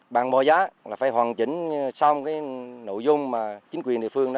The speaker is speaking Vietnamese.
bằng mọi giá phải hoàn chỉnh xong nội dung mà chính quyền địa phương